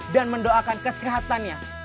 dan mendoakan kesehatannya